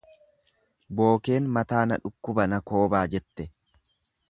Bookeen mataa na dhukkuba na koobaa jette.